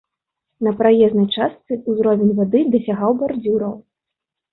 На праезнай частцы ўзровень вады дасягаў бардзюраў.